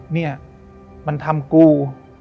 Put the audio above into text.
เนี่ยมันทำกู